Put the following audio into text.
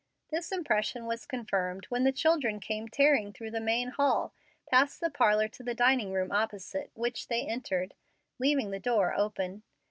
This impression was confirmed when the children came tearing through the main hall past the parlor to the dining room opposite, which they entered, leaving the door open.